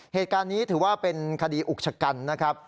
เหตุการณ์นี้ถือว่าเป็นคดีอุกชะกันนะครับ